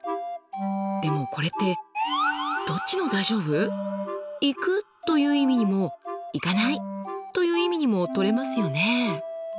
でもこれってどっちの「大丈夫」？「行く」という意味にも「行かない」という意味にも取れますよね。